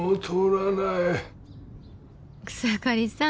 草刈さん